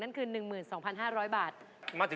นั่นคือ๑๒๕๐๐บาท